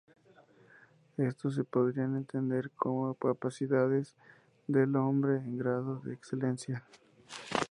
Estos se podrían entender como capacidades del hombre en grado de excelencia.